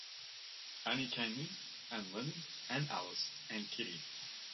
Annie came in, and Leonard, and Alice, and Kitty.